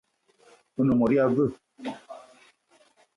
One mot ya veu?